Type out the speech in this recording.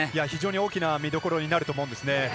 非常に大きな見どころになると思うんですね。